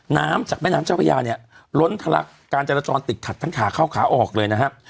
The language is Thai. น้ำจากแม่น้ำเจ้าพระยาเนี่ยล้นทะลักการจรจรติดขัดทั้งขาเข้าขาออกเลยนะครับ